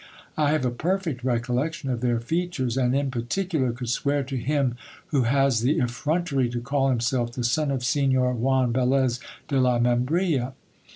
I have a perfect recol lection of their features ; and in particular could swear to him who has the effrontery to call himself the son of Signor Juan Velez de la Membrilla.